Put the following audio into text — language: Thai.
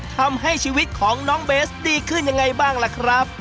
ทำให้ชีวิตของน้องเบสดีขึ้นยังไงบ้างล่ะครับ